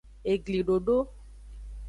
Eglidodo.